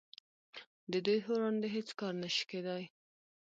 د دوی په وړاندې هیڅ کار نشي کیدای